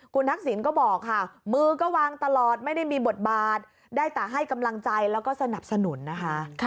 คุณทักษิณก็บอกค่ะมือก็วางตลอดไม่ได้มีบทบาทได้แต่ให้กำลังใจแล้วก็สนับสนุนนะคะ